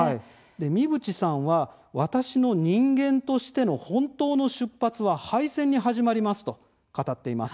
三淵さんは私の人間としての本当の出発は敗戦に始まりますと語っています。